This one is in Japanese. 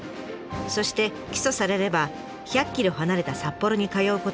そして起訴されれば１００ｋｍ離れた札幌に通うことに。